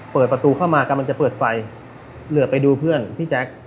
เปิดประตูเข้ามากำลังจะเปิดไฟเหลือไปดูเพื่อนพี่แจ๊ค